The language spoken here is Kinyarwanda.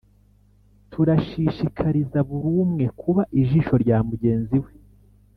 turashishikariza buri umwe kuba ijisho rya mugenzi we